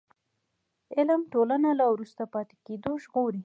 علم ټولنه له وروسته پاتې کېدو ژغوري.